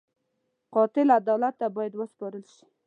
قاتل عدالت ته باید وسپارل شي